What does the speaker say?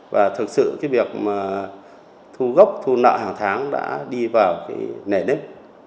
và thực sự cái việc thu gốc thu nợ hàng tháng đã đi vào nẻ nếp